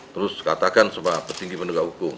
terus katakan sebab petinggi penduka hukum